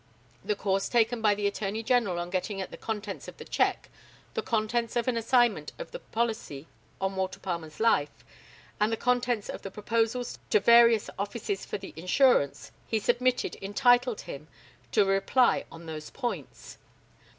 The course taken by the Attorney General on getting at the contents of the cheque, the contents of an assignment of the policy on Walter Palmer's life, and the contents of the proposals to various offices for the insurance, he submitted entitled him to a reply on those points.